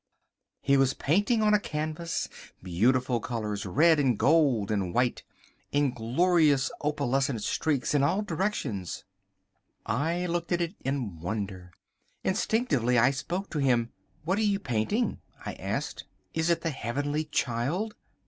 He was painting on a canvas—beautiful colours, red and gold and white, in glorious opalescent streaks in all directions. I looked at it in wonder. Instinctively I spoke to him. "What are you painting?" I said. "Is it the Heavenly Child?"